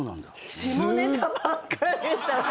下ネタばっかり。